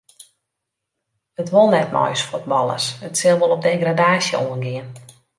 It wol net mei ús fuotballers, it sil wol op degradaasje oangean.